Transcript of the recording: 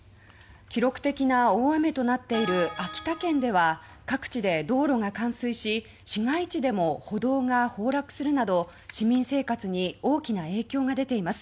記録的な大雨となっている秋田県では各地で道路が冠水し市街地でも歩道が崩落するなど市民生活に大きな影響が出ています。